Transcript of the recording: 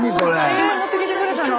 え持ってきてくれたの？